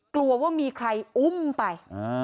กลัวว่ามีใครอุ้มไป